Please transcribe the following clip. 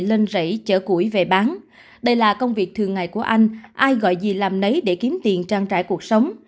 lên rẫy chở củi về bán đây là công việc thường ngày của anh ai gọi gì làm nấy để kiếm tiền trang trải cuộc sống